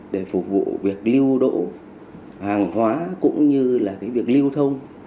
để phục vụ việc lưu đỗ hàng hóa cũng như là việc lưu thông